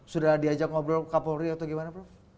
sudah diajak ngobrol kapolri atau gimana prof